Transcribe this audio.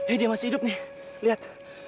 eh dia masih hidup nih lihat